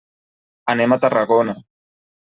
Anem a Tarragona.